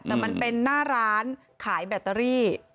แต่มันเป็นหน้าร้านขายแบตเตอรี่